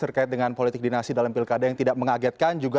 terkait dengan politik dinasti dalam pilkada yang tidak mengagetkan juga